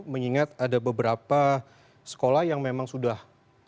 mengingat ada beberapa sekolah yang memang sudah